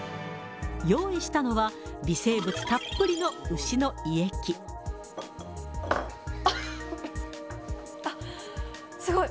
用意したのは、あっ、すごい。